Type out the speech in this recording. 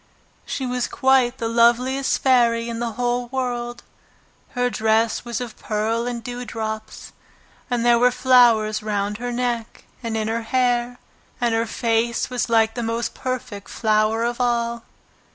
She was quite the loveliest fairy in the whole world. Her dress was of pearl and dew drops, and there were flowers round her neck and in her hair, and her face was like the most perfect flower of all.